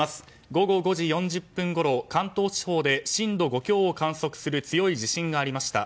午後５時４０分ごろ関東地方で震度５強を観測する強い地震がありました。